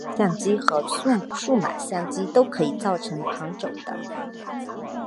光学相机和数码相机都可以造成旁轴的。